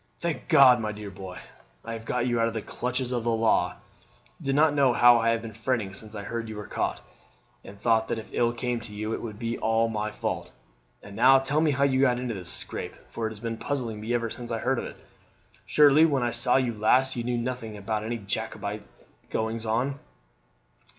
"Thank God, my dear boy, I have got you out of the clutches of the law! You do not know how I have been fretting since I heard you were caught, and thought that if ill came to you it would be all my fault. And now tell me how you got into this scrape, for it has been puzzling me ever since I heard it. Surely when I saw you last you knew nothing about any Jacobite goings on?"